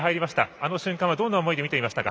あの瞬間はどの思いで見ていましたか？